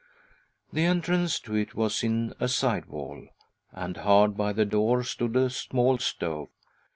The entrance to it was in a side wall, and hard by the door stood a small stove.